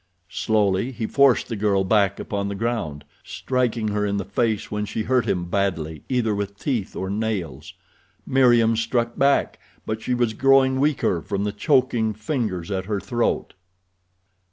Slowly he forced the girl back upon the ground, striking her in the face when she hurt him badly either with teeth or nails. Meriem struck back, but she was growing weaker from the choking fingers at her throat.